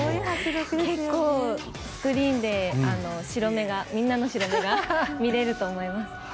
結構スクリーンで白目がみんなの白目が見られると思います。